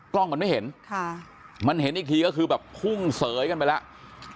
กล้องมันไม่เห็นค่ะมันเห็นอีกทีก็คือแบบพุ่งเสยกันไปแล้ว